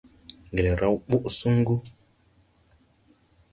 Ŋgel raw ɓɔʼ suŋgu.